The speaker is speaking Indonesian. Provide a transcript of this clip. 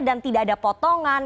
dan tidak ada potongan